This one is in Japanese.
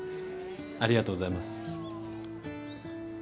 ありがとうございます。